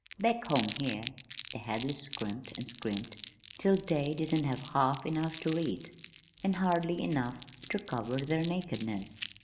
Back home here the Hadleys scrimped an' scrimped till they didn't have half enough ter eat, an' hardly enough ter cover their nakedness.